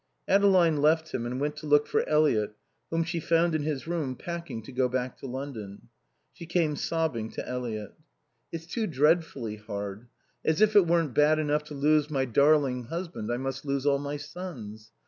Adeline left him and went to look for Eliot whom she found in his room packing to go back to London. She came sobbing to Eliot. "It's too dreadfully hard. As if it weren't bad enough to lose my darling husband I must lose all my sons.